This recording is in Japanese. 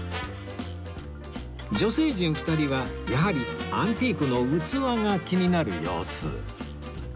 女性陣２人はやはりアンティークの器が気になる様子